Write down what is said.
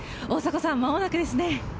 大迫さん、間もなくですね。